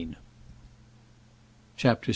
CHAPTER VI.